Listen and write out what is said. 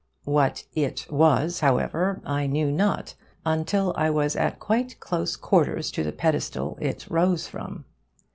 What 'it' was, however, I knew not until I was at quite close quarters to the pedestal it rose from.